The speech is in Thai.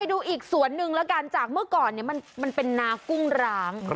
ดูอีกสวนหนึ่งแล้วกันจากเมื่อก่อนมันเป็นนากุ้งร้าง